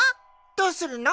どうするの？